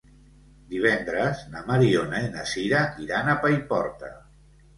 Divendres na Mariona i na Sira iran a Paiporta.